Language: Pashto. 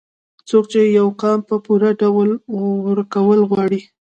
څوک چې يو قام په پوره ډول وروکول غواړي